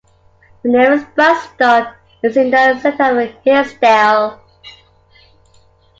The nearest bus stop is in the center of Hinsdale.